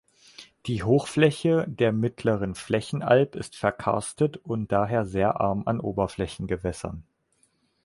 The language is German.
Die Hochfläche der Mittleren Flächenalb ist verkarstet und daher sehr arm an Oberflächengewässern.